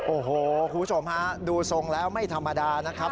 โอ้โหคุณผู้ชมฮะดูทรงแล้วไม่ธรรมดานะครับ